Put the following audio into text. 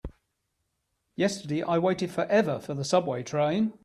Yesterday I waited forever for the subway train.